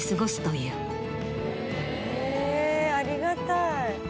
へぇありがたい。